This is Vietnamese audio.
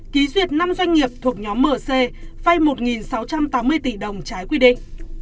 ký duyệt năm doanh nghiệp thuộc nhóm mc vay một sáu trăm tám mươi tỷ đồng trái quy định